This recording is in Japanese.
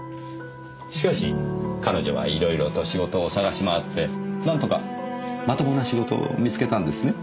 しかし彼女はいろいろと仕事を探し回ってなんとかまともな仕事を見つけたんですね。